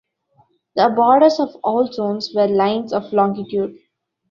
The borders of all zones were lines of longitude.